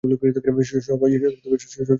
সবাই কেমন যেন।